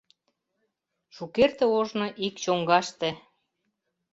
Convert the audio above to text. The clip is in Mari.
Шукерте ожно ик чоҥгаште